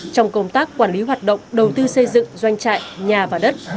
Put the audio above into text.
trong công tác quản lý hoạt động đầu tư xây dựng doanh trại nhà và đất